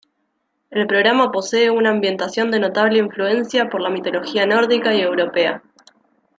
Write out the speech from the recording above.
El programa posee una ambientación de notable influencia por la mitología nórdica y europea.